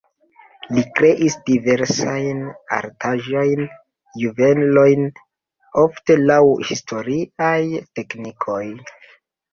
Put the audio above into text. Li kreis diversajn artaĵojn, juvelojn ofte laŭ historiaj teknikoj.